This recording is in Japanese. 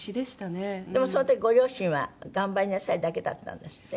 でもその時ご両親は「頑張りなさい」だけだったんですって？